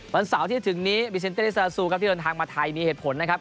วันเสาร์ที่จะถึงนี้บิเซนเต้ซาซูครับที่เดินทางมาไทยมีเหตุผลนะครับ